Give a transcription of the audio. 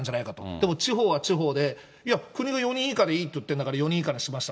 でも地方は地方で、いや、国が４人以下でいいっていってるんだから、４人以下にしました。